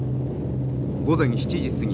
午前７時過ぎ